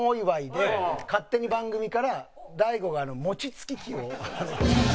勝手に番組から大悟が餅つき機を。